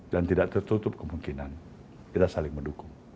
dan tidak tertutup kemungkinan kita saling mendukung